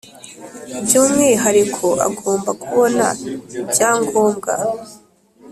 by umwihariko agomba kubona ibyangombwa